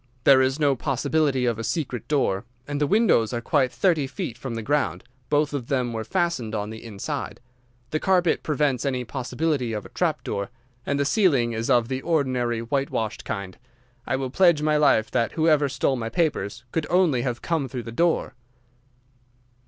There is no possibility of a secret door, and the windows are quite thirty feet from the ground. Both of them were fastened on the inside. The carpet prevents any possibility of a trap door, and the ceiling is of the ordinary whitewashed kind. I will pledge my life that whoever stole my papers could only have come through the door."